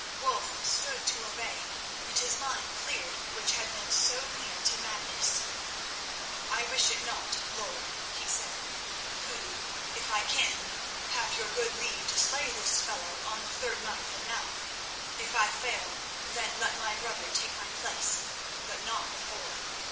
Wulf stooped to obey, and his mind cleared which had been so near to madness. "I wish it not, lord," he said, "who, if I can, have your good leave to slay this fellow on the third night from now. If I fail, then let my brother take my place, but not before."